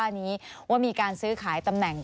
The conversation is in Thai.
สนุนโดยน้ำดื่มสิง